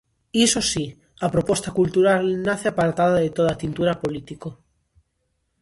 Iso si, a proposta cultural nace apartada de toda tintura político.